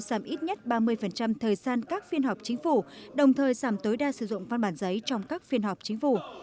giảm ít nhất ba mươi thời gian các phiên họp chính phủ đồng thời giảm tối đa sử dụng văn bản giấy trong các phiên họp chính phủ